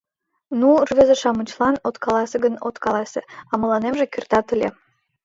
Ну, рвезе-шамычлан от каласе гын, от каласе, а мыланемже кертат ыле.